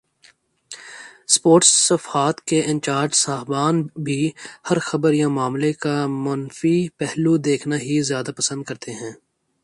Sports صفحات کے in charge صاحبان بھی ہر خبر یا معاملے کا منفی پہلو دیکھنا ہی زیادہ پسند کرتے ہیں۔